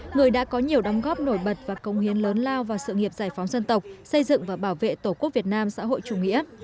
người đã có nhiều đóng góp nổi bật và công hiến lớn lao vào sự nghiệp giải phóng dân tộc xây dựng và bảo vệ tổ quốc việt nam xã hội chủ nghĩa